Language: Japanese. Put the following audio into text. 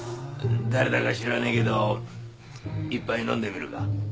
誰だか知らねえけど一杯飲んでみるか？